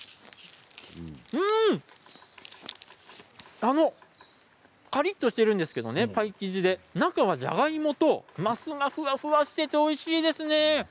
うん、あのカリっとしてるんですけどパイ生地で中はじゃがいもとマスがふわふわしていておいしいですね。